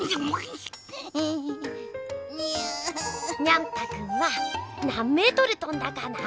ニャン太くんは何メートルとんだかな？